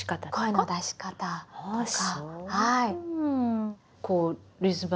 声の出し方とか。